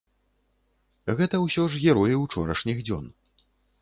Гэта ўсё ж героі ўчорашніх дзён.